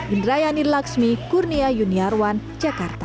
indrayani laksmi kurnia yuniarwan jakarta